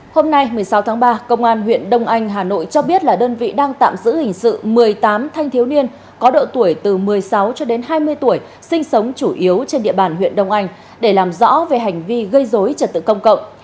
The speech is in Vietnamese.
hôm nay một mươi sáu tháng ba công an huyện đông anh hà nội cho biết là đơn vị đang tạm giữ hình sự một mươi tám thanh thiếu niên có độ tuổi từ một mươi sáu cho đến hai mươi tuổi sinh sống chủ yếu trên địa bàn huyện đông anh để làm rõ về hành vi gây dối trật tự công cộng